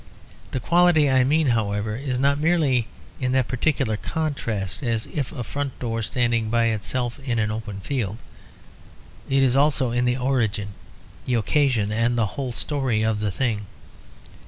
The quality I mean, however, is not merely in that particular contrast; as of a front door standing by itself in an open field. It is also in the origin, the occasion and the whole story of the thing.